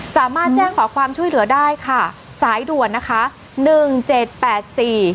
สามารถแจ้งขอความช่วยเหลือได้ค่ะสายด่วนนะคะหนึ่งเจ็ดแปดสี่